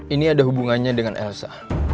ini ada hubungannya dengan elsa